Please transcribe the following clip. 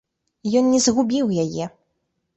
Ён не згубіў яе.